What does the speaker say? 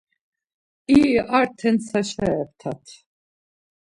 İri arte ntsaşa eptat.